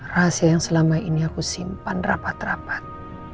rahasia yang selama ini aku simpan rapat rapat